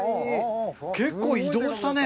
結構移動したね。